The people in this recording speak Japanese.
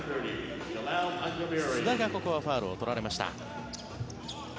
須田がここはファウルを取られました。